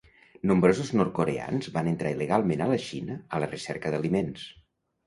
Nombrosos nord-coreans van entrar il·legalment a la Xina a la recerca d'aliments.